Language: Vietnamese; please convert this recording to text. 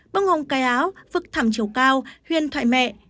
bông hồng cài áo vực thẳm chiều cao huyền thoại mẹ